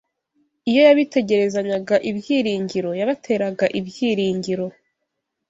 Iyo yabitegerezanyaga ibyiringiro, yabateraga ibyiringiro